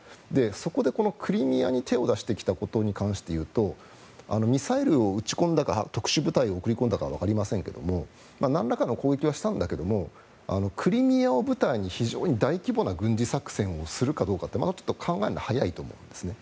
そこでクリミアに手を出してきたことに関していうとミサイルを撃ち込んだか特殊部隊を打ち込んだかわかりませんがなんらかの攻撃はしたんだけどもクリミアを舞台に非常に大規模な軍事作戦をするかどうかって考えるのはまだ早いと思うんですね。